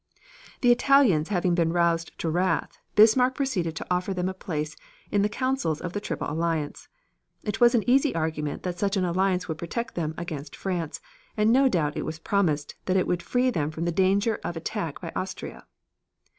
The Italians having been roused to wrath, Bismarck proceeded to offer them a place in the councils of the Triple Alliance. It was an easy argument that such an alliance would protect them against France, and no doubt it was promised that it would free them from the danger of attack by Austria.